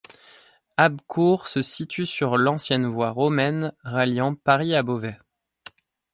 Abbecourt se situe sur l’ancienne voie romaine ralliant Paris à Beauvais.